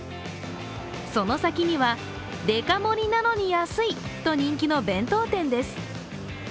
その先には、デカ盛りなのに安いと人気の弁当店です。